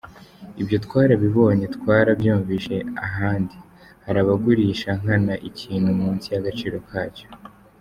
Ibyo twarabibonye, twarabyumvise ahandi, hari abagurisha nkana ikintu munsi y’agaciro kacyo.